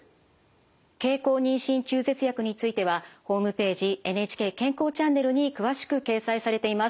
経口妊娠中絶薬についてはホームページ「ＮＨＫ健康チャンネル」に詳しく掲載されています。